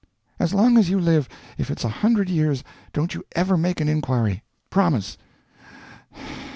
"As long as you live, if it's a hundred years, don't you ever make an inquiry. Promise!"